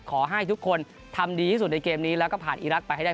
ขอให้ทุกคนทำดีที่สุดในเกมนี้แล้วก็ผ่านอีรักษ์ไปให้ได้